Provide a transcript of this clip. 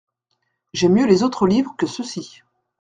J’aime mieux les autres livres que ceux-ci.